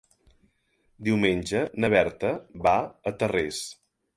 Diumenge na Berta va a Tarrés.